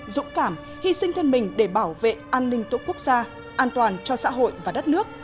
dũng cảm hy sinh thân mình để bảo vệ an ninh tổ quốc gia an toàn cho xã hội và đất nước